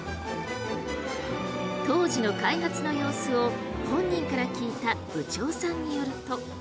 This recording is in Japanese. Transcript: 当時の開発の様子を本人から聞いた部長さんによると。